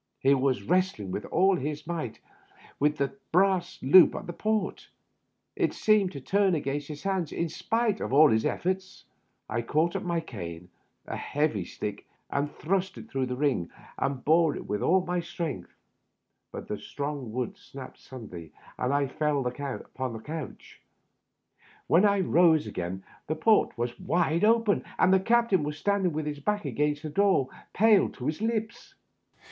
He was wrestling with all his might, with the brass loop of the port. It seemed to turn against his hands in spite of all his efforts. I caught up my cane, a heavy oak stick I always used to carry, and thrust it through the ring and bore on it with • Digitized by VjOOQIC 4:8 THE UPPER BERTH. all my strength. But the strong wood snapped sudden ly, and I fell upon the couch. When I rose again the port was wide open, and the captain was standing with his back against the door, pale to the lips.